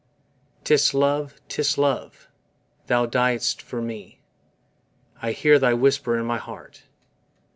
'Tis Love, 'tis Love! Thou diedst for me, I hear thy whisper in my heart.